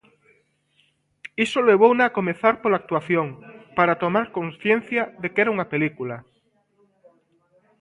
Iso levouna a comezar pola actuación, para tomar consciencia de que era unha película.